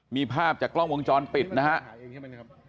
มีภาพจากกล้องวงจรปิดนะครับ